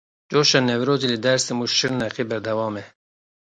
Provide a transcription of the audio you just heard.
Coşa Newrozê li Dêrsim û Şirnexê berdewam e.